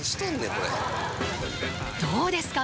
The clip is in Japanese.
これどうですか？